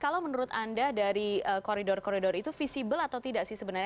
kalau menurut anda dari koridor koridor itu visible atau tidak sih sebenarnya